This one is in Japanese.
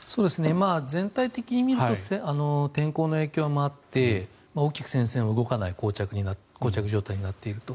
全体的に見ると天候の影響もあって大きく戦線は動かないこう着状態になっていると。